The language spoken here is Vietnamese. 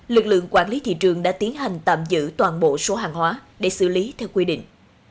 lực lượng quản lý thị trường đã tiến hành tạm giữ toàn bộ số hàng hóa để xử lý theo quy định